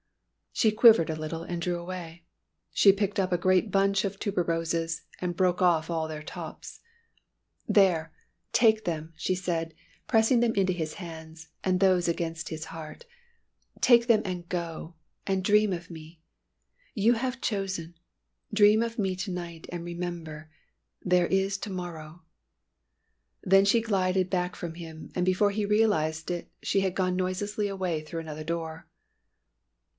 She quivered a little and drew away. She picked up a great bunch of tuberoses, and broke off all their tops. "There, take them!" she said, pressing them into his hands, and those against his heart. "Take them and go and dream of me. You have chosen. Dream of me to night and remember there is to morrow." Then she glided back from him, and before he realised it she had gone noiselessly away through another door.